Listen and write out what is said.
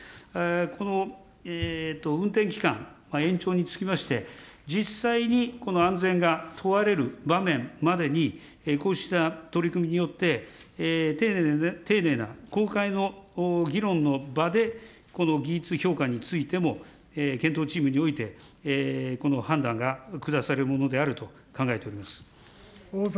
この運転期間延長につきまして、実際にこの安全が問われる場面までに、こうした取り組みによって、丁寧な、公開の議論の場で、この技術評価についても、検討チームにおいて、この判断が下されるものであると考えております。